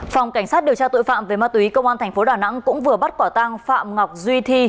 phòng cảnh sát điều tra tội phạm về ma túy công an thành phố đà nẵng cũng vừa bắt quả tang phạm ngọc duy thi